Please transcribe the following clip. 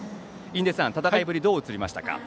印出さん、戦いぶりはどう映りましたか？